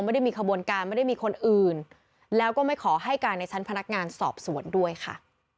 ไม่ได้มีขบวนการไม่ได้มีคนอื่นแล้วก็ไม่ขอให้การในชั้นพนักงานสอบสวนด้วยค่ะ